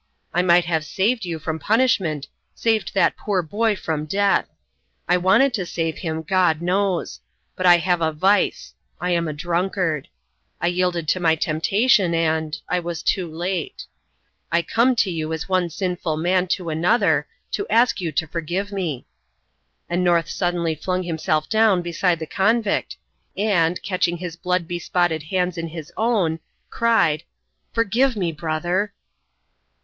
I might have saved you from punishment saved that poor boy from death. I wanted to save him, God knows! But I have a vice; I am a drunkard. I yielded to my temptation, and I was too late. I come to you as one sinful man to another, to ask you to forgive me." And North suddenly flung himself down beside the convict, and, catching his blood bespotted hands in his own, cried, "Forgive me, brother!"